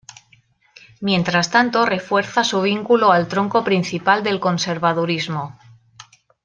Mientras tanto refuerza su vínculo al tronco principal del conservadurismo.